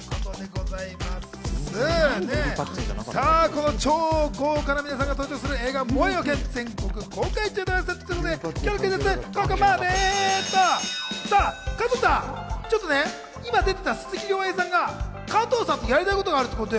さぁ、この超豪華な皆さんが登場する映画『燃えよ剣』は全国公開中ということで今日のクイズッス、ここまで。